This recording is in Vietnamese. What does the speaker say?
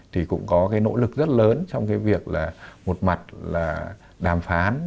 thì cũng có nỗ lực rất lớn trong việc là một mặt là đàm phán